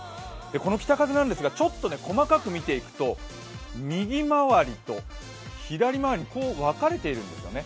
この北風、ちょっと細かく見ていくと、右回りと左回りに分かれているんですよね。